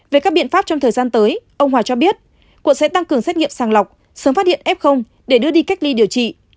về các biện pháp trong thời gian tới ông hòa cho biết quận sẽ tăng cường xét nghiệm sàng lọc sớm phát hiện f để đưa đi cách ly điều trị